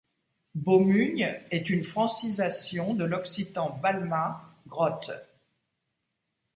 Baumugne est une francisation de l'occitan balma, grotte.